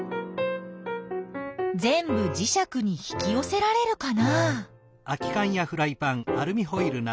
ぜんぶじしゃくに引きよせられるかな？